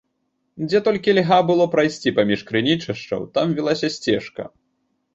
Дзе толькі льга было прайсці паміж крынічышчаў, там вілася сцежка.